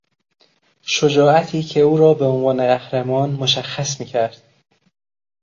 شجاعتی که او را به عنوان قهرمان مشخص میکرد